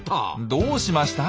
どうしました？